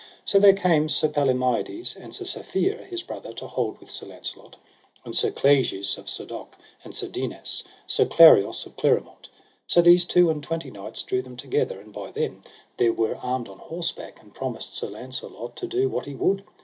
So there came Sir Palomides and Sir Safere, his brother, to hold with Sir Launcelot, and Sir Clegis of Sadok, and Sir Dinas, Sir Clarius of Cleremont. So these two and twenty knights drew them together, and by then they were armed on horseback, and promised Sir Launcelot to do what he would.